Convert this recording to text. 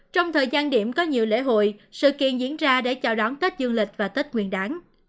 trong thời gian điểm có nhiều lễ hội sự kiện diễn ra để chào đón tết dương lịch và tết nguyên đáng